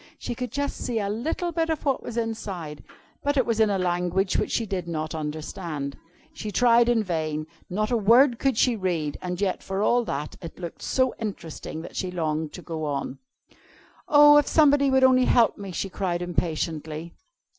She could just see a little bit of what was inside, but it was in a language which she did not understand. She tried in vain; not a word could she read; and yet, for all that, it looked so interesting that she longed to go on. "Oh, if somebody would only help me!" she cried impatiently.